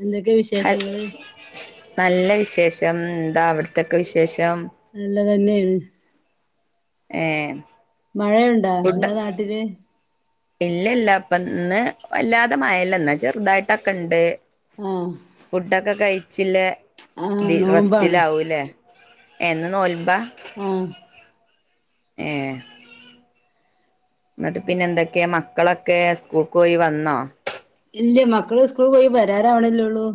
എന്തൊക്കെ ഹൽ വിശേഷങ്ങള് നല്ല വിശേഷം എന്താ അവിടത്തൊക്കെ വിശേഷം നല്ലതന്നെയാണ് ഏ മഴയുണ്ടാ നിങ്ങളെ നാട്ടില് ഇല്ലല്ല അപ്പന്ന് വല്ലാതെ മല്ലന്നാ ചെറുതായിട്ടൊക്കെ ഇണ്ട് ആഹ് ഫുഡൊക്കെ കഴിച്ചില്ലേ ആഹ് നോമ്പാണ് റെസ്റ്റിലാവൂലേ എന്ന് തോൽമ്പാ ആഹ എഏ എന്നിട്ട് പിന്നെ എന്തൊക്കെയാ മക്കളൊക്കെ സ്കൂൾക്ക് പോയി വന്നോ ഇല്ലേ മക്കള് സ്കൂൾ പോയി വരാറാവണല്ലോള്ളു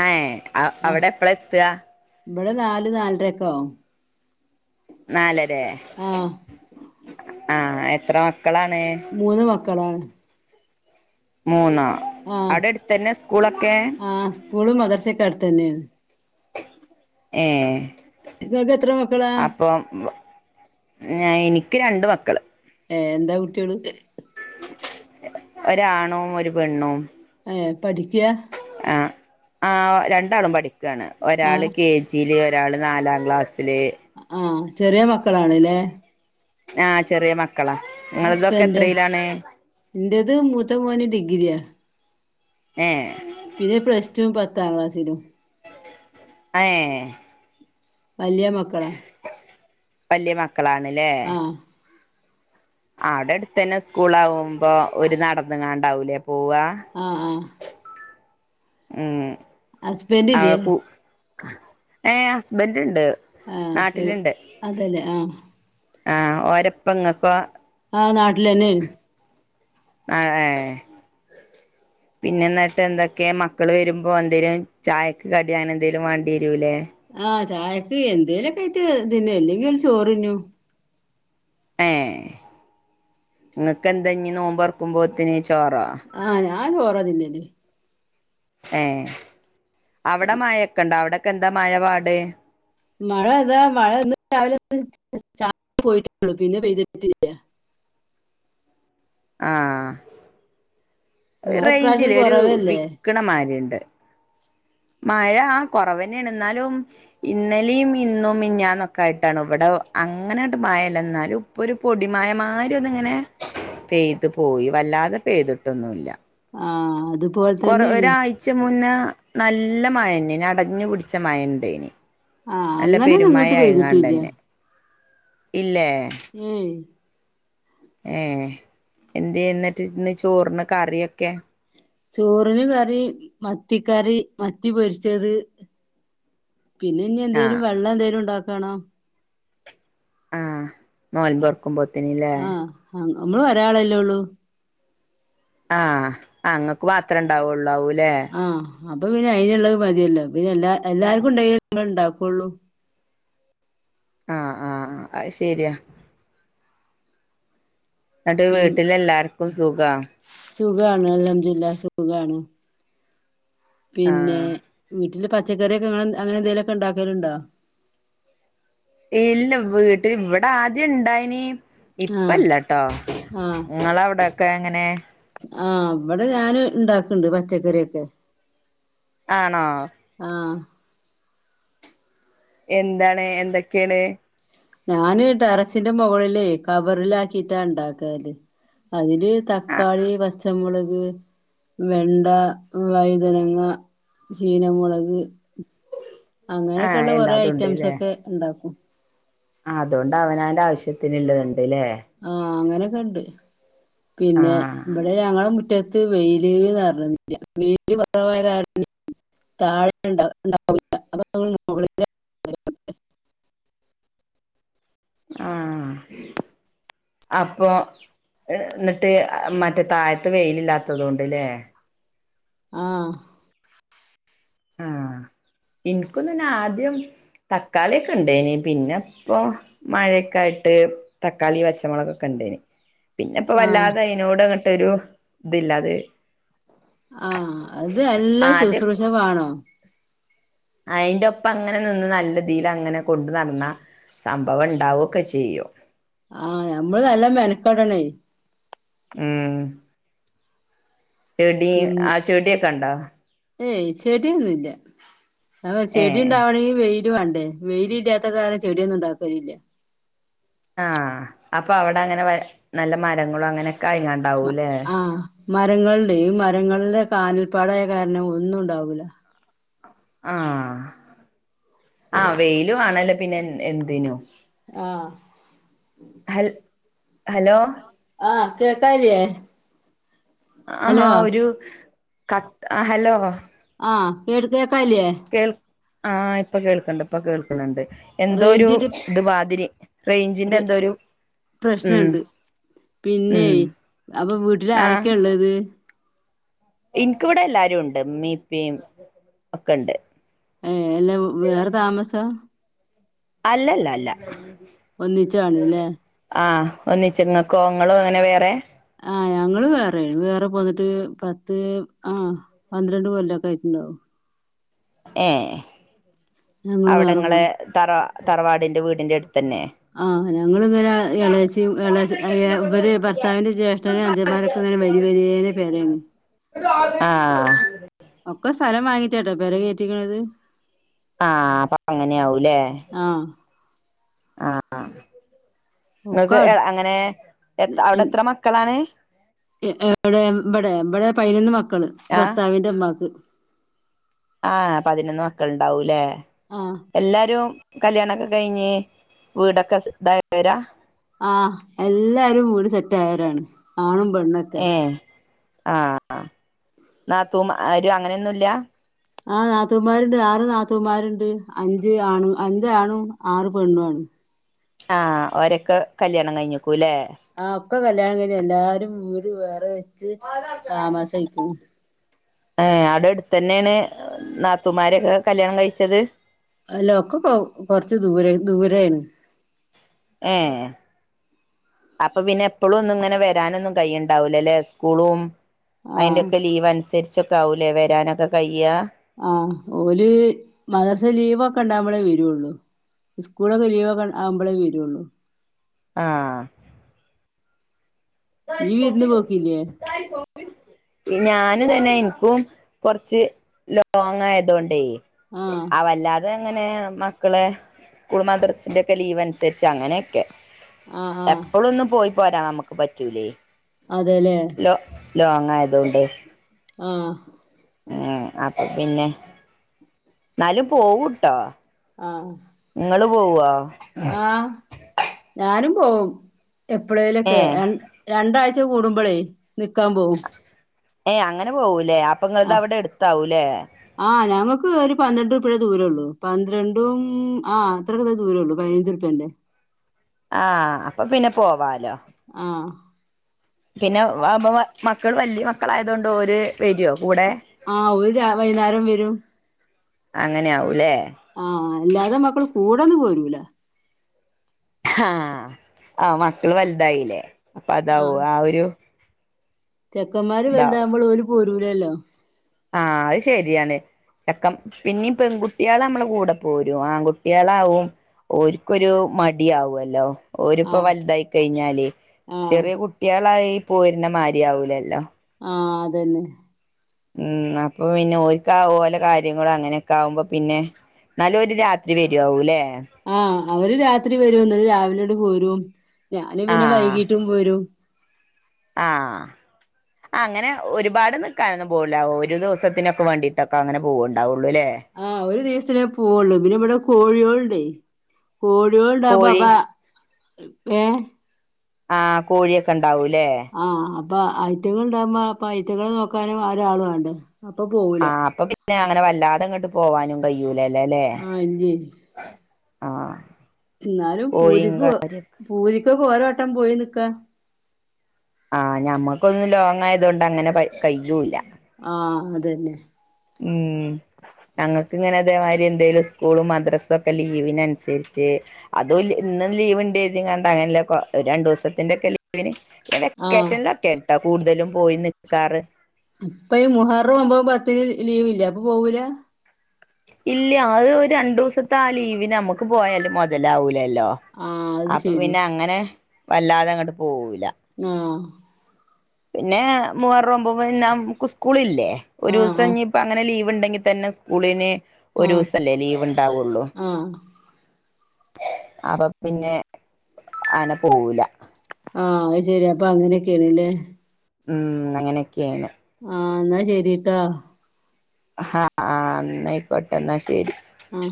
ആഹ അവിടെ എപ്പള എത്തുക ഇവിടെ നാല് നാലരക്ക ആ നാലരേ ആഹ എത്ര മക്കളാണ് മൂന്ന് മക്കളാണ് മൂന്നാ ആഹ ആഹ സ്കൂള് മദർച്ചൊക്കെ അടുത്തു തന്നെയാണ് ഏ ഇക്ക എത്രത്രങ്ങപ്പള എനിക്ക് രണ്ട് മക്കള് ഏ എന്താ കുട്ടികള് ഒ ആണും ഒരു പെണ്ണും ഏ പഠിക്കയാ ആ ആ രണ്ടാളും പഠിക്കയാണ് ഒരാള് ആഹ് കെ ജിൽ ഒരാള് നാലാം ക്ലാസ് ആഹ ചെറിയ മക്കളാണല്ലേ ആഹ ചെറിയ മക്ക ഹസ്ബൻഡ് എന്റേത് മൂത്ത മോന് ഡിഗ്രിയാ ഏ പിന്നെ പ്ലസ് ടു പത്താം ക്ലാസ്സിൽ ആഏ വലിയ മക്കളാ വലിയ മക്കളാണ്ല്ലേ ആഹ് ആടെ അടുത്തന്നെ സ്കൂള ആകുമ്പോ ഒരു നടതാങ്ങാണ്ടാവൂലേ ആ അഹ് ഉം അവ ഹുസ്ബൻഡിലെ കു ഏ ഹുസ്ബൻഡ് ഇൻഡ് ആ അതല്ലേ അഹ് അഹ് ഓരപ്പങ്ങക്കോ ആ നാട്ടിലനേ അ ഏ പിന്നെ എന്നായിട്ട് എന്തൊക്കെയ മക്കള് വരുമ്പോ എന്തേലും ചായക്കെ കടിയങ്ങൻ എന്തേലും വണ്ടി ലുലെ ആഹ് ചായക്ക് എന്തേലൊക്കെ ആയിട്ട് തിന്നു എല്ലങ്കി ചോറിഞ്ഞു ഏ നിങ്ങക്ക് എന്താ ഇ നോമ്പറക്കുമ്പോത്തിന് ചോറാ ആഹ് ഞാൻ ചോറതിന്നല് ഏഹ്, അവിടെ മഴയൊക്കെ ഇണ്ടോ അവിടൊക്കെന്താ മഴ പാട് മഴ ഇതാ മഴ ഇന്ന് രാവിലൊന്ന് ചാ റി പോയിട്ടൊള്ളു പിന്നെ പെയ്തിട്ടില്ല ആഹ് മഴ ഇപ്രാശ്യം കൊറവല്ലേ വിക്ക്ണമാരിണ്ട് [inaudible] മഴ ആ കൊറവന്നെണ്, ഇന്നാലും ഇന്നലിം ഇന്നും മിന്നാന്നൊക്കെ ആയിട്ടാണ് ഇവിടെ അങ്ങനണ്ട് മഴല്ല ഇന്നാലും ഒരു പൊടി മഴ മാരി ഒന്നിങ്ങനെ പെയ്തു പോയി. വല്ലാതെ പെയ്തിട്ടൊന്നുല്ല. ആഹ് അത് കൊറ ഒരാഴ്ച മുന്നേ നല്ല മഴന്നേനി അടഞ്ഞു പുടിച്ച മഴണ്ടേനി ആഹ് നല്ല അങ്ങനൊന്നും ഇങ്ങോട്ട് പെയ്തിട്ടില്ല പെരുമഴയായിക്കാണ്ടന്നെ, ഇല്ലേ ഹ്മ്മ് ഏഹ്, എന്തെ എന്നിട്ട് ഇന്ന് ചോറിന് കറിയൊക്കെ ചോറിന് കറി, മത്തി കറി മത്തി പൊരിച്ചത് പിന്നെ ഇനി ആഹ് എന്തേലും വെള്ളന്തേലും ഇണ്ടാക്കണം. ആഹ്, നോല്മ്പൊറക്കുമ്പോത്തിന്ല്ലേ ആഹ് നമ്മള് ഒരാളല്ലേ ഉള്ളൂ. ആഹ്, അ ഇങ്ങക്ക് മാത്രം ഇണ്ടാവൊള്ളൂ ഇ ആഹ് അപ്പൊ പിന്നെ അയിനിള്ളത് മതിയല്ലോ, പിന്നെ എല്ലാ എല്ലാർക്കും ഉണ്ടെങ്കി ന്തെലും ഇണ്ടാകൂ ക്കൊള്ളു. ആഹ്, ആഹ്, ആഹ് അയ് ശെരിയാ എന്നിട്ട് പിൻ വീട്ടിൽ എല്ലാർക്കും സുഖാ സുഖാണ് അൽഹംദുലില്ലാഹ് സുഖാണ്. പിന്നെ ആഹ് വീട്ടില് പ ച്ചക്കറിക്കെ അങ്ങനെ എന്തേലൊക്കെ ഇണ്ടാക്കല്ണ്ടോ ഇല്ല വീട്ടിൽ ഇവിടെ ആദ്യം ഇണ്ടായിനി ആഹ് ഇപ്പല്ലട്ടോ, ആഹ് ഇങ്ങളവിടെക്കെ എങ്ങനെ ആഹ്, ഇവിടെ ഞാന് ഇണ്ടാക്ക്‌ണ്ട് പച്ചക്കറിയൊക്കെ ആണോ ആഹ്. എന്താണ്? എന്തൊക്കെയാണ് ഞാന് ടെറസിന്റെ മൊകളില് കവറിലാകിട്ടാ ഇണ്ടാക്കല്. അതി ല് ആ തക്കാളി, പച്ചമുളക് വെണ്ട, വൈതനങ്ങ, ചീനമുളക് അങ്ങനെക്കെള്ള ആഹ് കൊറെ എല്ലാതും ഐറ്റംസക്കെ ഇണ്ടാക്കും. ആഹ് അതോണ്ട് അവനാന്റെ ആവശ്യത്തിന്ള്ളത് ഇണ്ട്ലേ അതകണ്ട്. പിന്നെ ആഹ് ഇവിടെ ഞങ്ങള് മുറ്റ മുറ്റത്ത് വെയില്ന്നർഞ്ഞതില്ല, വെയില് കുറവായ കാരണ താഴെണ്ട ഇണ്ടാവുല അപ്പോ ഞങ്ങള് മുകളിലെ [unintelligible] [inaudible] ആഹ്, അപ്പൊ എന്നിട്ട് അ മറ്റേ താഴത്ത് വെയിലില്ലാത്തതോണ്ട് ലെ ആഹ് ആാാഹ് ഇൻകുതന്നെ ആദ്യം തക്കാളിക്കെണ്ടേനി, പിന്നെ ഇപ്പൊ മഴക്കായി ട്ട് തക്കാളി പച്ചമൊളകൊക്കെണ്ടേനി. പിന്നെ ഇപ്പോ ആഹ് വല്ലാതെ അയ്നോട്ങ്ങട്ടൊരു ഇതില്ലാതായി. ആഹ്, അത് എല്ല ആദ്യം സുശ്രൂഷവാണോ അയിന്റെ ഒപ്പം അങ്ങനെ നിന്ന് നല്ലഇതിലങ്ങനെ കൊണ്ട് നടന്നാ സംഭവണ്ടാവൊക്കെ ചെയ്യും. ആ നമ്മൾ നല്ല മെനക്കടണേ ഉം ചെടി പിന്നെ ആ ചെടിക്കെണ്ടോ ഏയ് ചെടിന്നുല്ല അപ്പ ഏ ചെടിണ്ടാവണങ്കി വെയി ല് വണ്ടേ വെയിലില്ലാത്ത കാര ചെടിന്നുംണ്ടാക്കലില്ല ആ അപ്പൊ അവ്ടെ അങ്ങനെ വ നല്ല മരങ്ങളും അങ്ങനെക്കെ അയാണ്ടാവുലെ മരങ്ങൾണ്ടേ ഇ മരങ്ങൾടെ കാനൽപ്പാടായ കാരണം ഒന്നുണ്ടാവൂല ആ ആ വെയിലുവാണല്ല പിന്നെ എ എന്തിനും അ ഹൽ ഹലോ കേകാല്യ ആഹാ ഒരു കട്ട് അ ഹലോ ആ കേട് കേക്കാല്യേ ആ ഇപ്പൊ കേൾക്ണ്ട് ഇപ്പൊ കേൾക്ണണ്ട് എന്തോരു ത് വാതിരി പ്റ് ഉം പ്രശ്നണ്ട് പിന്നെ ഉം അപ്പൊ വീട്ടില് ആരെക്കെള്ളത് ഇൻക്ക്വ്ടെ ല്ലാരുണ്ട് ഇമ്മിഇപ്പീ ഒക്കെണ്ട് ഏ ല്ല വേറ താമസ അല്ലല്ലല്ല ഒന്നിച്ചാണ്ലെ ഒന്നിച്ചിങ്ങക്കോ ങ്ങളും ങ്ങനെ വേറെ ആ ഞങ്ങള് വേറെ വേറെ പോന്നിട്ട് പത്ത് ആ പന്ത്രണ്ട് കൊല്ലൊക്കെ ആയിക്ക് ണ്ടാവും ഏ ഞങ്ങള് വേറെ അവടെങ്ങളെ പോന്നു തറ തറവാടിന്റെ വീടിന്റെട് തന്നെ ആ ഞങ്ങളിങ്ങനെ എളേച്ചിം എളേ ഏ ഇവര് ഭർത്താവിന്റെ ജ്യേഷ്ഠനും അഞ്ചന്മാരൊക്കെ ഇങ്ങനെ വര് വരിവരേനെ പെരേണ് ആ ഒക്കെ സ്ഥലം വാങ്ങിറ്റട്ടോ പെരെ കേറ്റീക്ണത് ആ അപ്പൊ അങ്ങനെവുലെ ആഹ് ആ ഒക്കെ ങ്ങക്ക് എ അടു അങ്ങനെ എത അവിടെത്ര മക്കളാണ് എ എവിടെ ഇവിടെ ഇവിടെ പയിനൊന്ന് മക്കള് ഭർത്താവിന്റെമ്മാക്ക് ആ പതിനൊന്ന് മക്കളുണ്ടാവൂല്ലേ ആഹ് എല്ലാരും കല്യാണക്കെ കഴിഞ്ഞ് വീടൊക്കെ സെ ഇതായവരാ? ആഹ് എല്ലാരും വീട് സെറ്റായോവരാണ് ആണും പെണ്ണൊക്കെ ഏഹ് ആഹ് നാതൂ മാ ആര് അങ്ങനെയൊന്നുംല്ല ആ നാത്തൂന്മാരുണ്ട് ആറ് നാത്തൂന്മാരുണ്ട് അഞ്ച് ആണു അഞ്ച് ആണും ആറ് പെണ്ണും ആണ് ആഹ് ഓരക്ക കല്യാണം കഴിഞ്ഞു ആ ഒക്കെ കല്യാണം കഴിഞ്ഞ് എല്ലാരും വീട് വേറെ വെച്ച് താമസായിക്ക്ണ് ഏ അടെ എട്ത്തന്നേണ് നാത്തുമാരൊക്കെ കല്യാണം കഴിച്ചത് അല്ല ഒക്കെ കൊ കൊറച്ച് ദൂരെ ദൂരേണ് ഏ അപ്പൊ പിന്നെ എപ്പോളും ഒന്നും ഇങ്ങനെ വരാനൊന്നും കൈണ്ടാവൂലല്ലെ സ്കൂളും ആഹ് അയിന്റൊക്കെ ലീവ് അനുസരിച്ചൊക്കെ ആവൂലേ വരാനൊക്കെ കഴിയാ ആഹ് ഓല് മദ്രസ ലീവൊക്കെ ഇണ്ടാവുമ്പളേ വരുള്ളു സ്കൂളൊക്കെ ലീവൊക്കെ ആവുമ്പളേ വരുള്ളൂ ആ ഈ വിരുന്ന് തായിക്കമ പോക്കില്ലേ തായിക്കോ [unintelligible] ഈ ഞാന് തന്നെ ഇൻക്കും കൊർച്ച് ലോങ് ആയതൊണ്ടേ ആഹ് അ വല്ലാതെ അങ്ങനെ മക്കളെ സ്കൂൾ മദ്രസിന്റെ ഒക്കെ ലീവ് അനുസരിച്ച് അങ്ങനെയൊക്കെ ആഹ് ആഹ് എപ്പോളൊന്നും പോയി പോരാ നമ്മുക്ക് പറ്റൂലേ അതെല്ലേ ലോങ്ങായത് കൊണ്ടേ ആഹ് ഉം അപ്പൊ പിന്നെ എന്നാലും പോവൂട്ടോ ആഹ് നിങ്ങള് പോവ്വാ ആഹ് ഞാനും പോവും ഏ എപ്പളേലൊക്കെ രണ്ടാഴ്ച കൂടുമ്പോളേ നിക്കാൻ പോവും ഏയ് അങ്ങനെ പോവൂ ആ ആ ഞങ്ങക്ക് ഒരു പന്ത്രണ്ട് അത്രേ ദൂരേ ഉള്ളൂ പന്ത്രണ്ടും ആ അത്രക്ക ദൂരേ ഉള്ളൂ പതിനഞ്ചറുപേന്റെ ആഹ് അപ്പൊ പിന്നെ പോവാലോ ആഹ് പിന്നെ വമ്മ മക്കൾ വലിയ മക്കളായതൊണ്ട് ഓര് വരോ കൂടെ ആഹ് ഓര് രാ വൈകുന്നേരം വരും അങ്ങനെയ ആവൂല്ലേ ആഹ് അല്ലാതെ മക്കൾ കൂടെന്ന് പോരൂല ഹാ ആ മക്കള് വലുതായില്ലേ അപ്പ അതാവൂ ആഹ് ആ ഒരു ചെക്കന്മാര് ഇതാവും വലുതാവകുമ്പോൾ ഓര് പോരൂലല്ലോ ആഹ് അത് ശരിയാണ് ചക്കം പിന്നീ പെൺകുട്ടികള് നമ്മളെ കൂടെ പോരും ആൺകുട്ടികളാവും ഒര്ക്കൊരു മടിയാവല്ലോ ഓരിപ്പോ ആഹ് വലുതായി കഴിഞ്ഞാലേ ആഹ് ചെറിയ കുട്ടികളായി പോരുന്ന മാരിയാവൂലല്ലോ ആ അതന്നെ ഉം അപ്പൊ പിന്നെ ഒര്ക്ക് അതുപോലെ കാര്യങ്ങളും അങ്ങനെയൊക്കെ ആകുമ്പോ പിന്നെ ന്നാലും ഓര് രാത്രി വരു ആവുംല്ലെ ആഹ് അവര് രാത്രി വരും എന്നിട്ട് രാവിലെ ഇങ്ങോട് പോരും ഞാന് പിന്നെ വൈകീട്ടും പോരും ആ ആ അങ്ങനെ ഒരുപാട് നിൽക്കാനൊന്നും പോവൂല്ല ഒരു ദിവസത്തിനൊക്കെ വേണ്ടീട്ടൊക്കെ അങ്ങനെ പോവണ്ടാവുള്ളൂ ആ ഒരു ദിവസത്തിനേ പോവുള്ളൂ പിന്നെ ഇവിടെ കോഴികളൊണ്ടേ കോഴികളുണ്ടാവ പപ്പ കോഴി ഏ ആഹ കോഴിയൊക്കെ ഇണ്ടാവൂലേ ആഹ് അപ്പൊ ഐത്തങ്ങൾ ഉണ്ടാവകുമ്പോ അപ്പൊ ഐത്തങ്ങള്ൾ നോക്കാനും ഒരാള വേണ്ട അപ്പൊ പോവൂല ആഹ് അപ്പൊ പിന്നെ അങ്ങനെ വല്ലാതെ അങ്ങോട്ട് പോവാനും കഴൂലല്ലേ അല്ലേ ആഹ് ഇല്ലേ ആഹ എന്നാലും പൂതിക്ക് പൂതിക്കൊക്കെ ഓരോ വട്ടം പോയി നക്കാ ആഹ ഞമ്മക്കൊന്നും ലോങ്ങായത കൊണ്ട് അങ്ങനെ കഴ്യൂല്ല ആഹ അതന്നെ ഉം ഞങ്ങൾക്ക് ഇങ്ങനെ അതേമാതിരി എന്തേലും സ്കൂളും മദ്രസും ഒക്കെ ലീവിന്നുസരിച്ച് അതും ഇും ലീവ് ഉണ്ട് കണ്ട അങ്ങന രണ്ടു ദിവസത്തിന്റെ ഒക്കെ ലീവിന് ആഹ് വെക്കേഷനൊക്കെ കേട്ടോ കൂടുതലും പോയി നിക്കാറ് ഇപ്പ ഈ മഹാർ പോവുമ്പോ പത്തിന് ലീവ് ഇല്ല അപ്പൊ പോവൂല ഇല്ല അത് ഒരു രണ്ടു ദിവസത്തെ ലീവിന് നമുക്ക് പോയാലും മുതലാവൂല ല്ലോ ആഹ് അത് അപ്പൊ ശരി പിന്നെ അങ്ങനെ വല്ലാതെ അങ്ങോട്ട് പോവയി ആഹ പിന്നെ മൂവാർ ആവുമ്പോ നക്ക് സ്കൂള ഇല്ലേ ഒരു ആഹ് ദിവസം ആഹ് ഇപ്പ അങ്ങനെ ലീവ് ലവ് ഉണ്ടെങ്കിൽ തന്നെ സ്കൂളിന് ഒരു ആഹ് ദിവസംല്ലേ ലീവ് ഉണ്ടാവുള്ളൂ ആഹ് അപ്പൊ പിന്നെ അനെ പോവല ആഹ് അത് ശരി അപ്പൊ അങ്ങനൊക്കെയണല്ലേ ഉം അങ്ങനൊക്കെയാണ് ആ എന്നാ ശരിട്ടാ ആന്നായിക്കോട്ടെ എന്നാ ശരി ആ